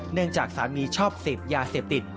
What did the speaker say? เนื่องจากสามีชอบเสพยาเสพติด